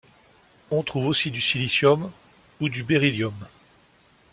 On trouve aussi du silicium ou du beryllium.